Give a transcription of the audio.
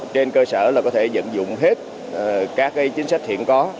trên cơ sở là có thể dẫn dụng hết các chính sách hiện có